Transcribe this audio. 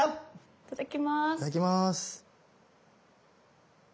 いただきます。